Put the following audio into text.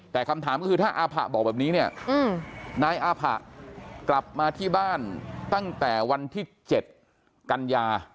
แต่คำถามก็คือถ้าอาผะบอกแบบนี้เนี่ยนายอาผะกลับมาที่บ้านตั้งแต่วันที่๗กันยา